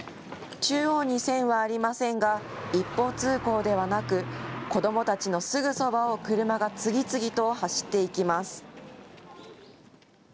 中央に線はありませんが一方通行ではなく子どもたちのすぐそばを車が次々と走っていきます。